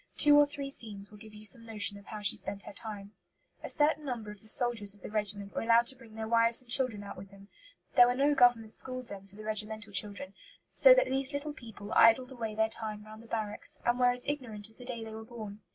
Two or three scenes will give you some notion of how she spent her time. A certain number of the soldiers of the regiment were allowed to bring their wives and children out with them. There were no Government schools then for the regimental children, so that these little people idled away their time round the barracks, and were as ignorant as the day they were born.